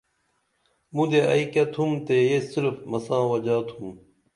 مُدے ائی کیہ تُھم تے یہ صرف مساں وجا تُھم